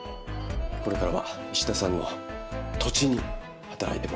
これからは石田さんの土地に働いてもらう番です。